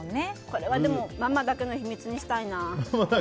ママだけの秘密にしたいな。